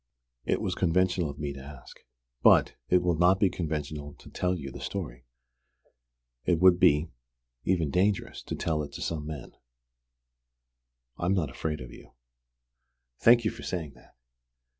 It was conventional of me to ask. But it will not be conventional to tell you the story. It would be even dangerous to tell it to some men. I'm not afraid with you." "Thank you for saying that!"